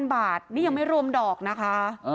๒๙๕๐๐๐บาทนี่ยังไม่รวมดอกนะคะ